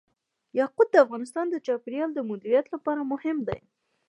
یاقوت د افغانستان د چاپیریال د مدیریت لپاره مهم دي.